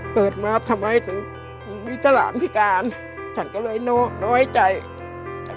เกิดมาทำไมถึงมีเจ้าหลานพิการฉันก็เลยโน้นไว้ใจ